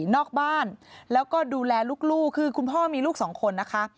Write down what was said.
นอกบ้านแล้วก็ดูแลลูกคือคุณพ่อมีลูกสองคนนะคะ